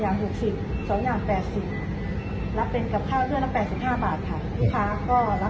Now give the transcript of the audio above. ถ้าเป็นสองใบอันนี้จะเป็นสายกล้วยแก่จิบห้าบาทค่ะก็จะมีไข่สองใบ